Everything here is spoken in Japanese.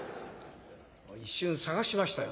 一瞬探しましたよ